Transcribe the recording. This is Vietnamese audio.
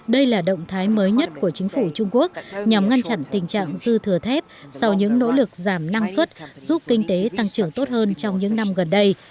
đây là động thái mới nhất của chính phủ trung quốc nhằm ngăn chặn tình trạng dư thừa thép sau những nỗ lực giảm năng suất giúp kinh tế tăng trưởng tốt hơn trong những năm gần đây